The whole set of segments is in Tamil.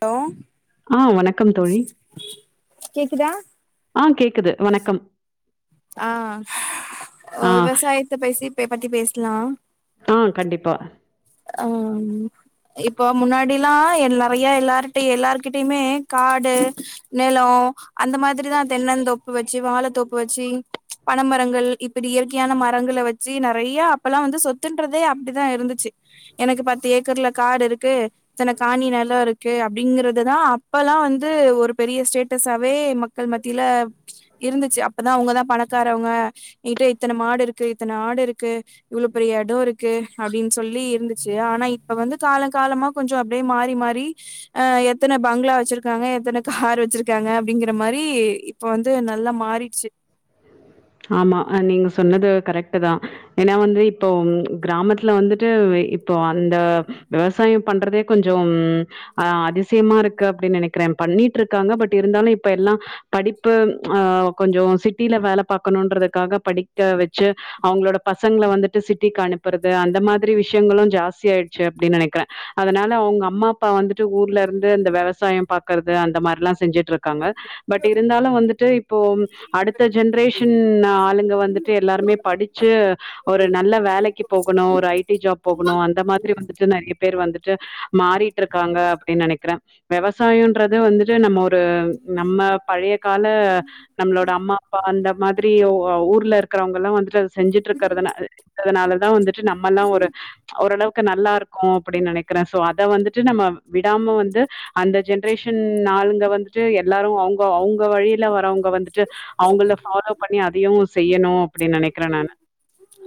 லோ ஆ வணக்கம் தோழி கேக்குதா ஆஹ் கேக்குது வணக்கம் ஆ ஆ விவசாயத்த பேசி பே பத்தி பேஸ்லா ஆஹ் கண்டிப்பா அ ம் இப்போ முன்னாடில்லா எல் நறைய எல்லாருட்டயு எல்லாருகிட்டயுமே காடு நெலோ அந்த மாதிரிதா தென்னந் தோப்பு வெச்சி வாழத்தோப்பு வெச்சி பனமரங்கள் இப்பிடி இயற்கையான மரங்கள வெச்சி நறையா அப்பல்லா வந்து சொத்துன்றதே அப்டிதா இருந்துச்சி எனக்கு பத்து ஏக்கர்ல காடு இருக்கு இத்தன காணி நெலோ இருக்கு அப்டிங்கறதுதா அப்பல்லா வந்து ஒரு பெரிய ஸ்டேட்டஸாவே மக்கள் மத்தில இருந்துச்சு அப்பதா அவுங்கதா பணக் இருக்கரவங்க என்கிட்ட இத்தன மாடு இருக்கு இத்தன ஆடு இருக்கு இவ்ளோ பெரிய இடம் இருக்கு அப்டின்னு சொல்லி இருந்துச்சு ஆனா இப்ப வந்து காலோ காலமா கொஞ்சோ அப்டியே மாறி மாறி அ எத்தன பங்ளா வெச்சிருக் வச்சிருகாங்க எத்தன கார் வச்சிருகாங்க அப்டிங்கிற மாரி இப்ப வந்து நல்லா மாறிட்சு ஆமா அ நீங்க சொன்னது கரெக்டு தா ஏனா வந்து இப்போ கிராமத்துல வந்துட்டு இப்போ அந்த விவசாயோ பண்றதே கொஞ்சோ ம் அ அதிசியமா இருக்கு அப்டி நெனைக்றே பண்ணிட்ருக்காங்க பட் எப்படி இருந்தாலு இப்ப எல்லா படிப்பு ப்பு அ கொஞ்சோ சிட்டில வேலப் பாக்கணுன்றதுக்காக படிக்க வெச்சு அவுங்ளோட பசங்கள வந்துட்டு சிட்டிக்கு அனுப்பறது அந்த மாதிரி விஷ்யங்களு ஜாஸ்தி ஆயிட்ச்சு அப்டி நெனைக்குறே அதனால அவுங்க அம்மா அப்பா வந்துட்டு ஊர்ல இருந்து இந்த வெவசாயம் பாக்கறது அந்த மாரில்லா செஞ்சுட் ட்ருக்காங்க பட் இருந்தாலு வந்துட்டு இப்போ அடுத்த ஜென்ரேஷ் ன் ஆளுங்க வந்துட்டு எல்லாருமே படிச்சு ஒரு நல்ல வேலைக்கி போகணு ஒரு ஐ டி ஜாப் போகணு அந்த மாதிரி வந்துட்டு நெறைய பேரு வந்துட் ட்டு மாறிட்ருக்காங்க அப்டி நெனைக்குறே வெவசாயோன்றது வந்துட்டு நம்ம ஒர் டு நம்ம பழைய கால நம்ளோட அம்மா அப்பா அந்த மாதி ஊ ஊர்ல இருக்கிறவங்கலா வந்துட்டு செஞ்சுட்டு இருக்கிறதுனா றதுனால தா வந்து நம்மல்லா ஒரு ஓரளவுக் நல்லா இருக்கோ அப்டின் நனைக்கிற சோ அத வந்துட்டு நம்ம விடாம வந்து அந்த ஜென்ரேஷன் ஆளுங்க வந்துட்டு எல்லாரு‌அவுங்க அவுங்க வழில வரவங்க வந்து ட்டு அவங்கள பாலோ வு செய்யணு அப்டி நனைக்கிற நானு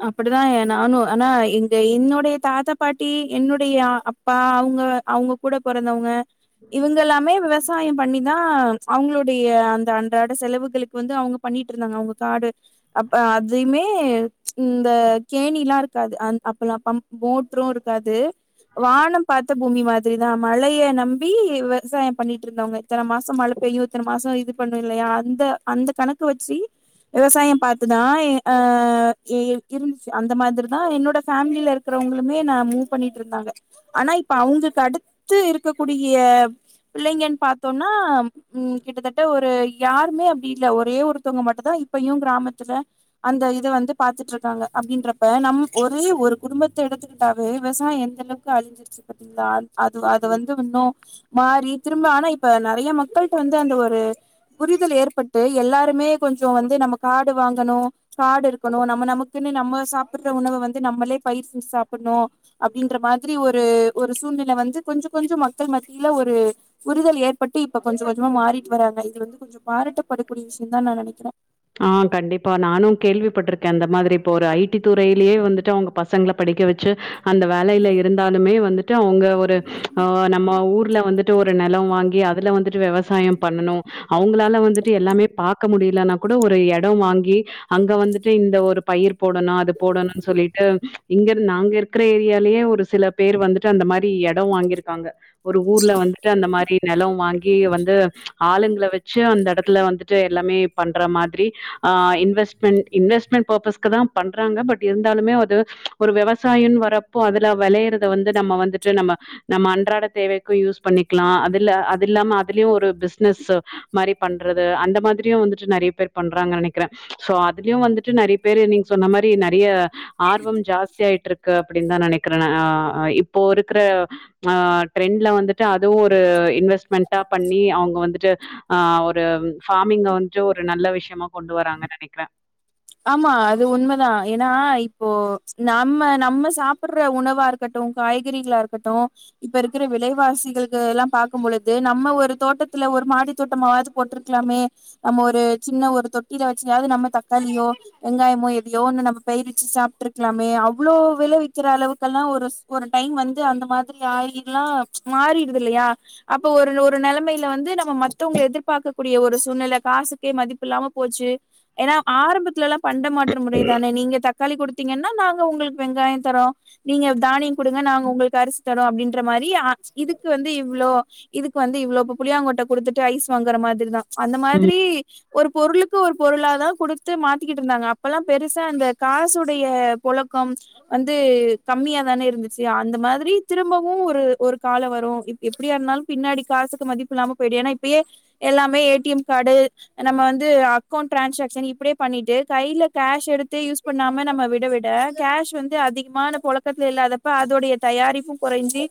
அப்டிதா நானு ஆனா எங் என்னுடைய தாத்தா பாட்டி என்னுடைய அப்பா அவங்க அவங்க கூட பொறந்தவங்க இவங்கல்லாமே விவ விவசாயம் பண்ணிதா அவங்களுடைய அந்த அன்றாட செலவுகளுக்கு வந்து அவங்க பண்ணிட்டு இருந்தாங்க அவங்க காடு அப்ப அதைமே இந்த கேணிலா இருக்காது அ அப்பலா பம் மோட்ரு இருக்காது வானம் பாத்த பூமி மாதிரிதா மழய நம்பி விவசாயம் பண்ணிட்டு இருந்தவங்க இத்தன மாசோ மழ பெய்யு இத்தன மாசோ இது பண்ணு இல்லையா அந்த அந்த கணக்கு வச்சு விவசாயம் பாத்துதா ஆ ஏ இருந்துச்சு அந்த மாதிரிதா என்னோட ஃபேமில இருக்குறவங்களுமே ந மூவ் பண்ணிட்டு இருந்தாங்க ஆனா இப்ப அவங்கக்கு அடுத் து இருக்ககூடிய பிள்ளைங்கன்னு பாத்தேனா உம் கிட்டத்தட்ட ஒரு யாருமே அப்டி இல்ல ஒரே ஒரு தவுங்க மட்டும்தா இப்பையு கிராமத்துல அந்த இத வந்து பாத்துட்டு இருக்காங்க அப்டின்றப்ப நம் ஒரே ஒரு குடும்பத்தை எடுத்துக்கிட்டாவே விவசாய எந்த அளவுக்கு அழிஞ்சிருச்சு பாத்தீங்களா அது அத வந்து இன்னு மாறி திரும்ப ஆனா இப்ப நெறைய மக்கள்ட்ட வந்து அந்த ஒரு புரிதல் ஏற்பட்டு எல்லாருமே கொஞ்ச வந்து நம்ம காடு வாங்கணு காடு இருக் நம்ம நமக்குன்னு நம்ம சாப்பிடுற உணவ வந்து நம்மளே பைசி சாப்பிடணு அப்டின்ற மாதிரி ஒரு ஒரு சூழ்நிலை வந்து கொஞ்ச கொஞ்ச மக்கள் மத்தியில ஒரு புரிதல் ஏற்பட்டு இப்ப கொஞ்ச கொஞ்சமா மாறிட்டு வராங்க இது வந்து கொஞ்சோ பாராட்டப்படக்கூடிய விஷயம் தா நா நெனைக்கிறே ஆஹ் கண்டிப்பா நானு கேள்விப்பட்டிருக்கே அந்த மாதிரி இப்ப ஒரு ஐ டி துறையிலேயே வந்துட்டு அவங்க பசங்கள படிக்க வச்சு அந்த வேலையில இருந்தாலுமே வந்து ட்டு அவங்க ஒரு ஆ நம்ம ஊர் ல்ல வந்துட்டு ஒரு நெலோ வாங்கி அதுல வந்துட்டு வெவசாயோ பண்ணனு அவங்களால வந்துட்டு எல்லாமே பாக் க்க முடிலனா கூட ஒரு எடோ வாங்கி அங்க வந்துட்டு இந்த ஒரு பயிர் போடணு அது போடணுன் சொல்லிட்டு இங்க நாங்க இருக்கிற ஏரியாலேயே ஒரு சில பேர் வந்துட்டு அந்த மாரி எடோ வாங்கிருக்காங்க ஒரு ஊர்ல வந்துட்டு அந்த மாரி நெலோ வாங்கி வந்து ஆளுங்கள வச்சு அந்த எடத்துல வந்துட்டு எல்லாமே பண்ற மாதிரி ஆ இன்வெஸ்மென்ட் இன்வெஸ்மென்ட் பர்பஸ்க்கு தா பண்றாங்க பட் இருந்தாலுமே அது ஒரு விவசாயன் வரப்போ அதுல வெளையிறத வந்து நம்ம வந்துட்டு நம்ம நம்ம அன்றாட தேவைக்கு யூஸ் பண்ணிக்லா அதுல அது இல்லாமே அதிலியு ஒரு பிஸ்னஸ் மாரி பண்றது அந்த மாதிரியு வந்து டு நெறைய பேர் பண்றாங்கன் நெனைக்கிற சோ அதிலியு வந்துட்டு நெறைய பேரு நீங்க சொன்ன மாரி நெறைய ஆர்வம் ஜாஸ்தியாய்ட்ருக்கு அப்டின் தா நனைக்கிற ஆ இப்போ இருக்கிற ஆ ட்ரெண்டுல வந்துட்டு அதுவு ஒரு இன்வெஸ்மென்டா பண்ணி அவங்க வந்துட்டு ஆ ஒரு ஃபார்மிங் வந் கொஞ்சோ ஒரு நல்ல விஷயமா கொண்டு வராங்கன் நினைக்கிற ஆமா அது உண்மதா ஏன்னா இப்போ நம்ம நம்ம சாப்பிட்ற உணவா இருக்கட்டு காய்கறிகளா இருக்கட்டு இப்ப இருக்கிற விலைவாசிகளுக்கு எல்லா பாக்கு பொழுது நம்ம ஒரு தோட்டத்துல ஒரு மாடி தோட்டமாவது போட்டிருக்கலாமே நம்ம ஒரு சின்ன ஒரு தொட்டியில வெச்சியாவது நம்ம த ஐயோ வெங்காயமோ எதையோ ஒன்னு நம் பேய்ரிச்சு சாப்ட்டுருக்கலாமே அவ்ளோ விலவிக்கிற அளவுக்கெல்லா ஒரு ச் ஒரு டைம் வந்து அந்த மாதிரி ஆயிர்லா மாறிடுது இல்லையா அப்போ ஒரு ஒரு நெலைமைல வந் ந்து நம்ம மத்தவங்கள எதிர்பார்க்கக்கூடிய ஒரு சூழ்நெலை காசுக்கே மதிப்பு இல்லாம போச்சு ஆரம்பத்துலல்லா பண்டமாற்று முறை தானே நீங்க தக்காளி குடுத்தீங்கன் ன நாங்க உங்களுக்கு வெங்காய தரோ நீங்க தானிய குடுங்க நாங்க உங்களு கரிசித்தாரோ அப்டின்ற மாரி ஆ இதுக்கு வந்து இவ்ளோ இதுக் வந்து இவ்ளோ இப்போ புளியாங்கொட்ட குடுத்துட்டு ஐஸ் வாங்குற மாதிரி தா அந்த மாதிரி ஒரு பொருளுக்கு ஒரு பொருளாதா த்து மாத்திக்கிட்டு இருந்தாங்க அப்பெல்லா பெருசா அந்த காசுடைய பொலக்கம் வந்து கம்மியா தானே இருந்துச்சி அந்த மாதிரி திரும்பவு ஒரு ஒரு கால வரு எ எப்டியா இருந்தால் பின்னாடி காசுக்கு மதிப்பு இல்லாம போய்டு ஏன்னய் பியே எல்லாமே ஏ டி எம் காடு நம்ம வந்து ஆக் ஃபோன் ட்ரான்ஸாக்ஷன் இப்புடேப் பண்ணிட்டு கையில கேஷ் எடுத்து யூஸ் பண்ணாம நம்ம விட விட கேஷ் வந்து அதிகமான போலக்கத்தில இல்லாதப்ப அதோடைய தயாரிப்பு குறைஞ்சி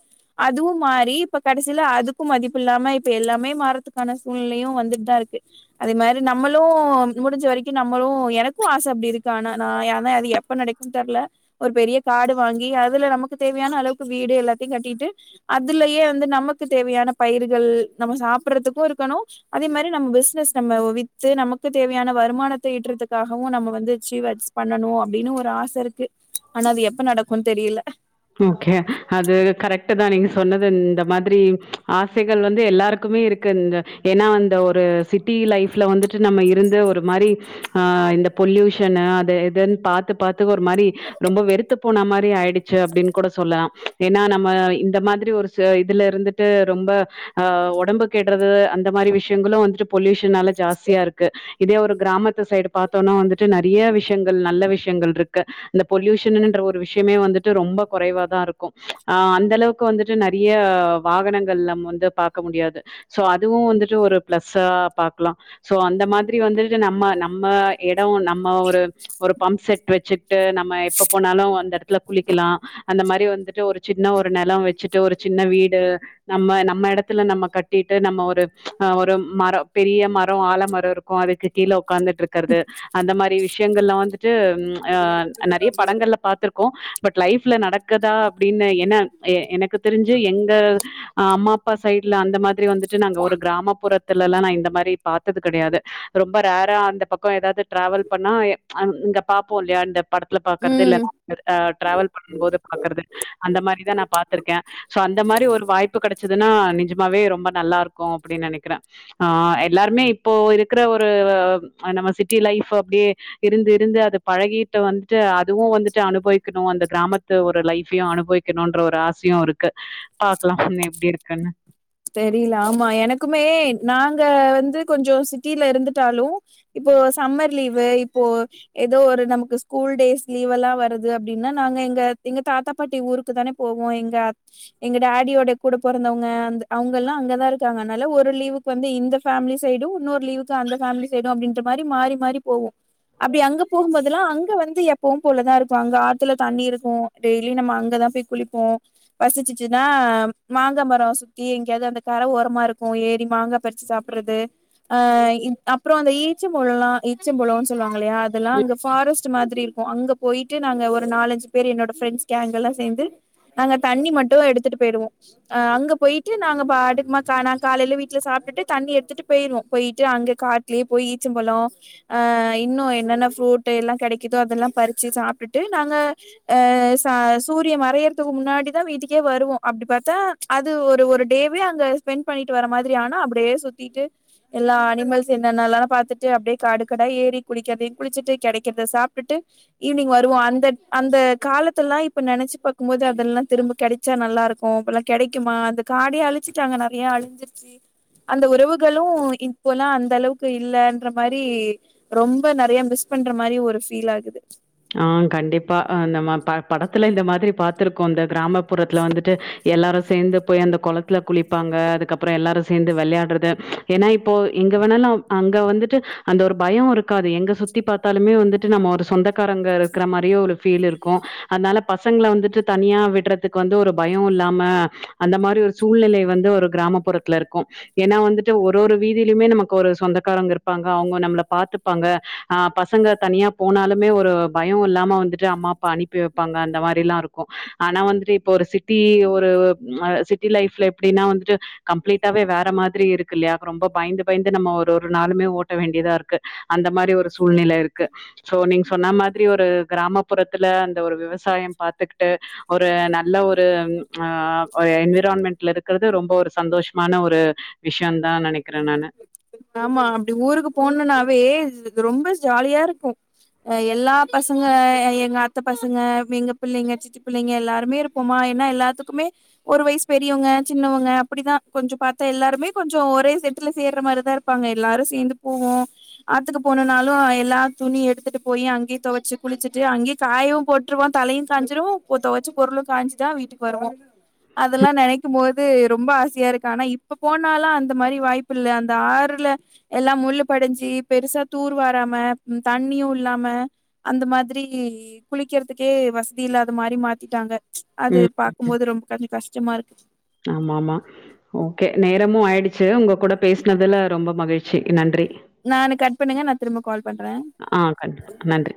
அதுவு மாரி இப்ப கடைசியில அதுக்கு மதிப்பு இல்லாம இப்ப எல்லாமே மாறதுக்கான சூழ்நிலையு வந்துட் தா இருக்கு அதே மாரி நம்மளும் முடிஞ்ச வரைக் க்கி நம்மளு எனக்கு ஆச அப்டி இருக்கு ஆனா நா யானா அது எப்ப நடைக்கும் தெர்ல ஒர் பெரிய காடு வாங்கி அதுல நமக்கு தேவையான அளவ்க்கு வீடு எல்லாத் ஏ கட்டிட்டு அதுலயே வந்து நமக் க்கு தேவையானப் பயிர்கள் நம்ம சாப்றதுக்கு ருக்கணு அதே மாரி நம் பிஸ்னஸ் நம்ம ஒவித்து நமக்கு தேவையான வருமானத் தயீட்றத்துக்காஹவு நம்ம வந்து ச்சீவட்ஸ் பண்ணணு அப்டின்னு ஒர் ஆச இருக்கு ஆனா அது எப்ப நடக்குன்னு தெரியல ஓகே அது கரக்ட்டு தா நீங்கஸ் சொன்னதுந்த மாத்ரி ஆசைகள் வந்து எல்லாருக்குமே இருக் இந்த ஏன்னா அந்த ஒரு சிட்டி லைஃப்ல வந்துட்டு நம்ம இருந்து ஒரு மாரி ஆ இந்த பொல்யூஷன்னு அது எதுன் பாத்து பாத்து ஒரு மாரி ரொம்ப வெறுத்து போன மாரி ஆயிடுச்சு அப்டின்னு கூட சொல்லலாம் ஏன்னா நம்ம இந்த மாதிரி ஒரு இதுல இருந்துட்டு ரொம்ப ஆ ஒடம்பு கெடுறது அந்த மாரி விஷயங்களு வந்துட்டு பொல்யூஷனால ஜாஸ்தியா இருக்கு இதே ஒரு கிராமத்து சைடு பாத்தோனா வந்துட்டு நெறையா விஷயங்கள் நல்ல விஷயங்கள்ருக்கு இந்த பொல்யூஷனுன்ற ஒரு விஷயமே வந்துட்டு ரொம்ப கொறைவாதா இருக்கு ஆ அந்தளவுக்கு வந்துட்டு நெறிய வாகனங்கள் நம்ம வந்து பாக்க முடியாது ஸோ அதுவு வந்துட்டு ஒரு பிளஸ்ஸா பாக்கலா ஸோ அந்த மாதிரி வந்துட்டு நம்ம நம்ம எடோ நம்ம ஒரு ஒரு பம்ப் செட் வெச்சுட்டு நம் ம எப்ப போனாலு அந்த எடத்துல குளிக்கலா அந்த மாரி வந்துட்டு ஒரு சின்ன ஒரு நெல வெச்சுட்டு ஒரு சின்ன வீடு நம்ம நம்ம எடத்துல நம்ம கட்டிட்டு நம்ம ஒரு அ ஒரு மர பெரிய மர ஆல மர இருக்கு அதுக்கு கீழ உக்காந்துட்ருக்கறது அந்த மாரி விஷயங்கள்ல வந்துட்டு அ நெறைய படங்கள்ல பாத்திருக்கோ பட் லைஃப்ல நடக்குதா அப்டின்னு என்ன எ எனக்கு தெரிஞ்சு எங்க அம்மா அப்பா சைட்ல அந்த மா ரி வந்துட்டு நாங்க ஒரு கிராமப்புறத் த்துலலா நா இந்த மாரி பாத்தது கெடையாது ரொம்ப ரேரா அந்த பக்க ஏதாவது டிராவல் பண்ணா எ அ இங்க பாப்போ இல்லையா அந்த படத்துல பாக்கறது இல்ல ம் ஆ டிரவல் பண்ணும் போது பாக்கறது அந்த மாரிதா நா பாத்துருக்கே சோ அந்த மாரி ஒரு வாய்ப்பு கெடைச்சதுன்னா நிஜ மாவே ரொம்ப நல்லா இருக்கு அப்டின்னு நெனைக்கிறே ஆஹ் எல்லாருமே இப்போ இருக்குற ஒரு நம்ம சிட்டி லைஃப் அப்டியே இருந்து இருந்து அது பழகி வந்துட்டு அதுவு வந்துட்டு அனுபவிக்கணு அந்த கிராமத்து ஒரு லைஃபையு அனுபவிக்கணுன்ற ஒரு ஆசையு இருக்கு பாக்கலா இன்ன எப்டி இருக்குன்னு தெரியல ஆமா எனக்குமே நாங்க வந்து கொஞ்சோ சிட்டில இருந்துட்டாலு இப்போ சம்மர் லீவ் வே இப்போ ஏதோ ஒரு நமக்கு ஸ்கூல் டேஸ் லீவெல்லா வருது அப்டின்னா நாங்க எங்க எங்க தாத்தா பாட்டி ஊருக்கு தான போவோ எங்க எங்க டேடியோட கூட பொறந்தவங்க அந்த அவுங்கெல்லா அங்கதா இருக்காங்க அதனால ஒரு லீவுக்கு வந்து இந்த ஃபேமிலி சைடும் இன்னொரு லீவுக்கு அந்த ஃபேமிலி சைடும் அப்டின்ற மாரி மாறி மாறி போவோ அப்டி அங்க போகும்போதெல்லா அங்க வந்து எப்பவு போலதா இருக்கு அங்க ஆத்துல தண்ணி இருக்கு டெய்லி நம்ம அங்கதா போய் குளிப்போ பசிச்சிச்சுன்னா மாங்க மரோ சு தி எங்கயாவது அந்த கர ஓரமா இருக்கு ஏறி மாங்கா பறிச்சு சாப்பிடுறது அஹ் இத் அப்புறோ அந்த ஈச்சம் பழலா ஈச்சம் பழன்னு சொல்லுவாங்க ல்லையா அதெல்லா அங்க ஃபாரஸ்ட் மாதிரி இருக்கு அங்க போயிட்டு நாங்க ஒரு நாலஞ்சு பேர் என்னோட ஃப்ண்ட்ஸ் கேங்க எல்லா சேந்து நாங்க தண்ணி மட்டு எடுத்துட்டு போயிடுவோ ஆ அங்க போயி ட்டு நாங்க பாட்டுக்கு மா கானா காலையில வீட்ல சாப்பிட்டுட்டு தண்ணி எடுத்துட்டு போயிருவோ போயிட்டு அங்க காட்டுலேய போய் ஈச்சம்பழம் ஆஹ் இன்னு என்னென்ன ஃப்ரூட் எல்லா கெடைக்குதோ அதெல்லா பறிச்சு சாப்ட்டுட்டு நாங்க அ ச சூரிய மறையறதுக்கு முன்னாடிதா வீட்டுக்கே வருவோ அப்டி பாத்தா அது ஒ ஒரு டேவ்ல அங்க ஸ்பெண்ட் பண்ணிட்டு வர மாதிரி ஆனா அப்டியே சுத்திட்டு எல்லா அனிமல்ஸ் என்னென்லா பாத்துட்டு அப்டியே காடு காடா ஏறி குளிக்கறதயு குளிச்சுட்டு கெடைக்கறத சாப்ட்டுட்டு ஈவினிங் வருவோ அந்த அந்த காலத்துல்லா இப் இப்ப நெனச்ச பாக்கும் போது அதெல்லா திரும்ப கெடைச்சா நல்லாருக்கு இப்பெல்லா கெடைக்குமா அந்த காடே அழிச்சுட்டாங்க நெறைய அழிஞ்சிருச்சு அந்த உறவுகளு இப்போல்லா அந்த அளவுக்கு இல்லன்ற மாரி ரொம்ப நெறைய மிஸ் பண்ற மாரி ஒரு ஃபீல் ஆகுது ஆ கண்டிப்பா நம்ம பா படத்துல இந்த மாதிரி பாத்துிருக்கோம் இந்த கிராமப்புறத்துல வந்துட்டு எல்லாரும் சேர்ந்து போய் அந்த குளத்துல குளிப்பாங்க அதுக்கப்புறம் எல்லாரும் சேர்ந்து விளையாடுறது ஏன்னா இப்போ எங்க வேணாலும் அங்க வந்துட்டு அந்த ஒரு பயம் இருக்காது எங்க சுத்தி பார்த்தாலுமே வந்துட்டு நம்ம ஒரு சொந்த காரங்க இருக்கிற மாரியே ஒரு ஃபீல் இருக்கும் அதனால பசங்கல வந்துட்டு தனியா விட்றதுக்கு வந்து ஒரு பயம் இல்லாம அந்த மாரி ஒரு சூழ்நிலை வந்து ஒரு கிராமப்புறத்துல இருக்கும் ஏன்னா வந்துட்டு ஒரு ஒரு வீதியிலயுமே நமக்கு ஒரு சொந்தக்காரங்க இருப்பாங்க அவங்க நம்மளை பாத்துப்பாங்க ஆ பசங்க தனியா போனாலும் ஒரு பய இல்லாம வந்துட்டு அம்மா அப்பா அனுப்பி வைப்பாங்க அந்த மாரில்லாம் இருக்கும் ஆனா வந்துட்டு இப்ப ஒரு சிட்டி ஆ ஒரு சிட்டி லைப்ல எப்படின்னா வந்துட்டு கம்ப்ளீட்டாவே வேற மாதிரி இருக்கு இல்லையா ரொம்ப பயந்து பயந்து நம்ம ஒரு ஒரு நாளுுமே ஓட்ட வேண்டியதா இருக்கு அந்த மாதிரி ஒரு சூழ்நிலை இருக்குோ சோ சொன்ன மாதிரி ஒரு கிராமப்புறத்துல அந்த ஒரு விவசாயம் பாத்துக்கிட்டு ஒரு நல்ல ஒரு ஆ என்விரான்மெண்ட்ல இருக்கறிறது ரொம்ப ஒரு சந்தோஷமான ஒரு விஷயம் தான் நினைக்கிறேன் நான்ு ஆமா அப்படி ஊருக்கு போணும்னாவே ரொம்ப ஜாலியா இருக்கும் ஆ எல்லா பசங்க எங்க அத்த பசங்க எங்க பிள்ளைங்க சித்தி பிள்ளைங்க எல்லாருமே இருப்போமா ஏன்னா எல்லாத்துக்குமே ஒரு வயசு பெரியவங்க சின்னவங்க அப்படிதான் கொஞ்சம் பார்த்தா எல்லாருமே கொஞ்சம் ஒரே செட்டுல சேர்ற மாரிதான் இருக்க வப்பாங்க எல்லாரும் சேர்ந்து போவோம் ஆத்துக்கு போனனாலும் எல்லா துணி எடுத்துட்டு போய் அங்கேயே துவைச்சு குளிச்சுட்டு அங்கேயே காயும் போட்டுிருவோம் தலையும் காயஞ்சிருவ துவைச்சு பொருளும் காயஞ்சுதான் வீட்டுக்கு வருவோம் அதெல்லாம் நினைக்கும் போது ரொம்ப ஆசை இருக்கு ஆனா இப்ப போனாலும் அந்த மாதிரி வாய்ப்பு இல்லை அந்த ஆறு ல எல்லாம் முள்ு படைஞ்சு பெருசா தூர் வாராம தண்ணியும் இல்லாம அந்த மாதிரி குளிக்கிறதுக்கே வசதி இல்லாத மாதிரி மாத்திட்டாங்க அது ம் பாார்க்கும்போது ரொம்ப கொஞ்சம் கஷ் ம இருக்கு ஆமா ஆமா ஓகே நேரமும் ஆயிடுச்சு உங்க கூட பேசனதுல ரொம்ப மகிழ்ச்சி நன்றி நானு கட் பண்ணுங்க நான் திரும்ப கால் பண்றேன் ஆ கண்டிப்பா. நன்றி.